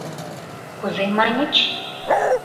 Кузе маньыч?..